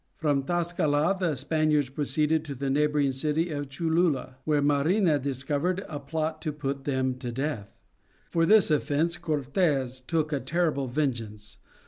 From Tlascala the Spaniards proceeded to the neighboring city of Cholula where Marina discovered a plot to put them to death. For this offence Cortes took a terrible vengeance.